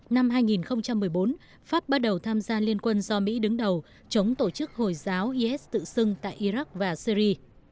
năm hai nghìn một mươi bốn pháp bắt đầu tham gia liên quân do mỹ đứng đầu chống tổ chức hồi giáo is tự xưng tại iraq và syri